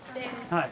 はい。